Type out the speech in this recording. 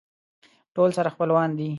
ټول سره خپلوان دي.